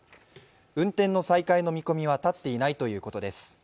運転の再開の見込みは立っていないということです。